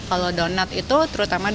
kalau donat itu terus terpaksa untuk dikosong